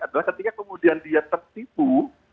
adalah ketika kemudian dia tertipu